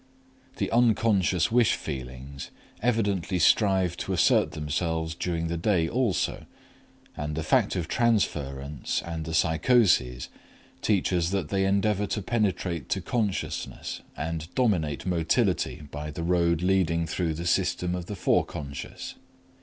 The unconscious wish feelings evidently strive to assert themselves during the day also, and the fact of transference and the psychoses teach us that they endeavor to penetrate to consciousness and dominate motility by the road leading through the system of the foreconscious.